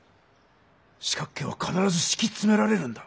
四角形はかならずしきつめられるんだ。